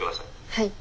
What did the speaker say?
はい。